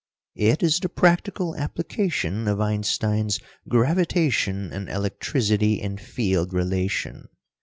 "It is the practical application of Einstein's gravitation and electricity in field relation.